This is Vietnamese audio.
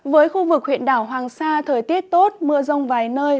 với khu vực huyện đảo hoàng sa thời tiết tốt mưa rông vài nơi